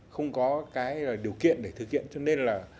không có cái điều kiện để thực hiện cho nên là